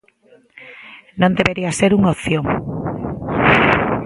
Non debería ser unha opción.